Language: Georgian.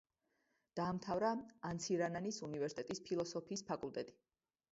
დაამთავრა ანცირანანის უნივერსიტეტის ფილოსოფიის ფაკულტეტი.